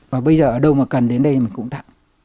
và bây giờ ở đâu mà cần đến đây mà cũng tặng